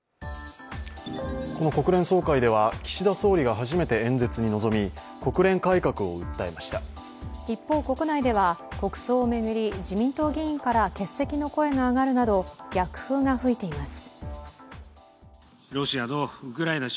この国連総会では岸田総理が初めて演説に臨み、一方、国内では国葬を巡り自民党議員から欠席の声が上がるなど、逆風が吹いています。